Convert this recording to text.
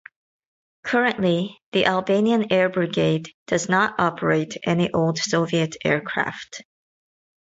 Currently, the Albanian Air Brigade does not operate any old Soviet aircraft.